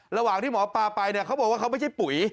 ระหว่างที่หมอปลาไปเนี่ยเขาบอกว่าเขาไม่ใช่ปุ๋ย